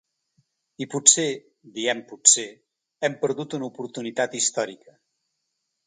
I potser, diem potser, hem perdut una oportunitat històrica.